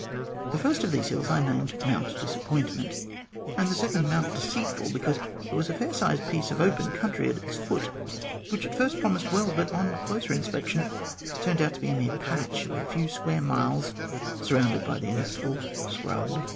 The first of these hills I named Mount Disappointment, and the second Mount Deceitful, because there was a fair sized piece of open country at its foot, which at first promised well, but on closer inspection turned out to be a mere patch of a few square miles surrounded by the inevitable scrub.